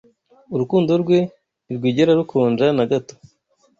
Urukundo rwe ntirwigera rukonja nagato